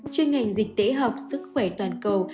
trên ngành dịch tễ học sức khỏe toàn cầu